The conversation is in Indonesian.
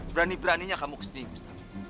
berani beraninya kamu kesini